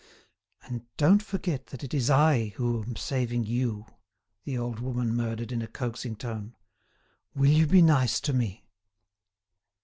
"And don't forget that it is I who am saving you," the old woman murmured in a coaxing tone. "Will you be nice to me?"